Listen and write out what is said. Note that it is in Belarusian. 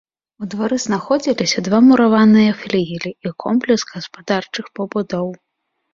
У двары знаходзіліся два мураваныя флігелі і комплекс гаспадарчых пабудоў.